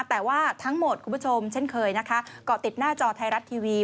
แต่ว่าทั้งหมดคุณผู้ชมเช่นเคยนะคะเกาะติดหน้าจอไทยรัฐทีวี